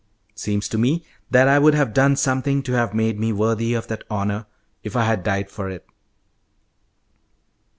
Seems to me that I would have done something to have made me worthy of that honour if I had died for it!"